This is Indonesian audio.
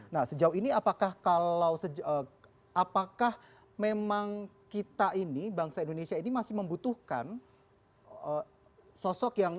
nah sejauh ini apakah kalau apakah memang kita ini bangsa indonesia ini masih membutuhkan sosok yang